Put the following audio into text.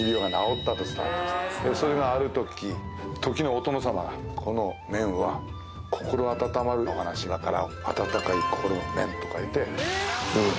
それがあるとき時のお殿様がこの麺は心温まるお話だから。と書いて。